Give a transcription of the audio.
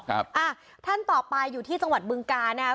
อ่ะท่านต่อไปอยู่ที่สังหวัดบึงกาเนี่ย